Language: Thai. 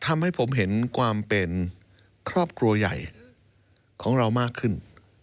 ทำให้ผมเห็นความเป็นครอบครัวใหญ่ของเรามากขึ้น